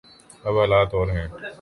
اب حالات اور ہیں۔